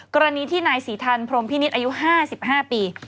กรณีที่นายศรีทันพรมพินิษฐ์อายุ๕๕ปี